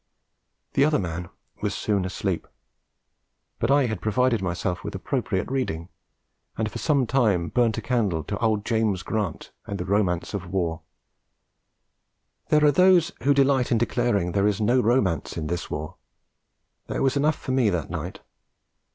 The other man was soon asleep. But I had provided myself with appropriate reading, and for some time burnt a candle to old James Grant and The Romance of War. There are those who delight in declaring there is no romance in this war; there was enough for me that night.